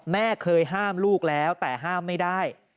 แม่เคยห้ามลูกแล้วแต่ห้ามไม่ได้